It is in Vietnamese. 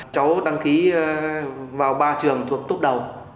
cháu đăng ký vào ba trường thuộc tốt đầu